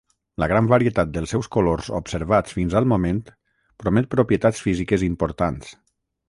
La gran varietat dels seus colors observats fins al moment promet propietats físiques importants.